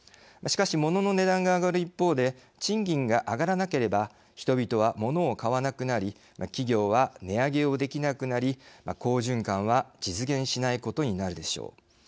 しかし物の値段が上がる一方で賃金が上がらなければ人々は物を買わなくなり企業は値上げをできなくなり好循環は実現しないことになるでしょう。